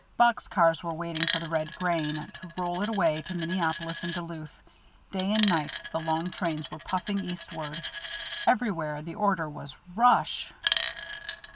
Box cars were waiting for the red grain, to roll it away to Minneapolis and Duluth day and night the long trains were puffing eastward. Everywhere the order was, "Rush!"